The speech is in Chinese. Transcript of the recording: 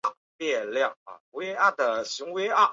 担任长安信息产业集团股份有限公司董事长。